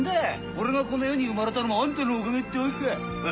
俺がこの世に生まれたのもあんたのおかげってわけかい？